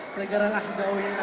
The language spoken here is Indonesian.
segeralah jauhi narkoba